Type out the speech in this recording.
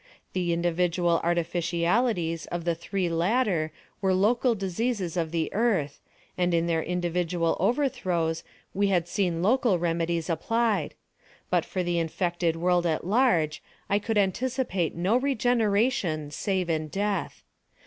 The individual artificialities of the three latter were local diseases of the Earth, and in their individual overthrows we had seen local remedies applied; but for the infected world at large I could anticipate no regeneration save in death.